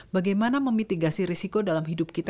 bagaimana memitigasi risiko dalam hidup kita